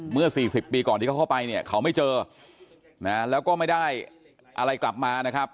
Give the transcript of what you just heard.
เมื่อ๔๐ปีก่อนที่เขาเข้าไปเนี่ยเขาไม่เจอนะแล้วก็ไม่ได้อะไรกลับมานะครับ